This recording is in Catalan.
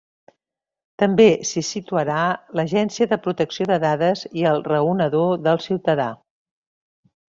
També s'hi situarà l'Agència de Protecció de Dades i el Raonador del Ciutadà.